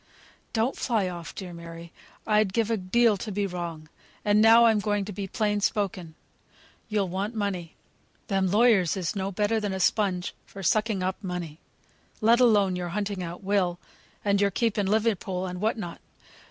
"Don't fly off, dear Mary; I'd give a deal to be wrong. And now I'm going to be plain spoken. You'll want money. Them lawyers is no better than a spunge for sucking up money; let alone your hunting out Will, and your keep in Liverpool, and what not.